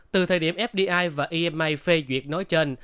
từ thời điểm fdi và ema phê duyệt nói trên